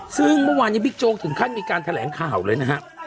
ซึ่งเมื่อวานนี้บิ๊กโจ๊กถึงขั้นมีการแถลงข่าวเลยนะฮะ